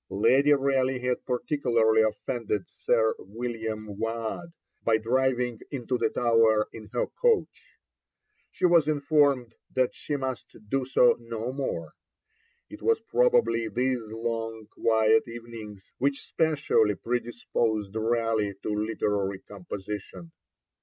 Lady Raleigh had particularly offended Sir William Waad by driving into the Tower in her coach. She was informed that she must do so no more. It was probably these long quiet evenings which specially predisposed Raleigh to literary composition.